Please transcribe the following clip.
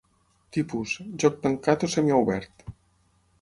Tipus: Joc tancat o semiobert.